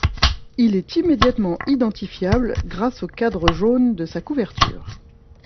Il est immédiatement identifiable grâce au cadre jaune de sa couverture.